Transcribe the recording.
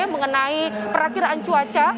mengenai perhatian cuaca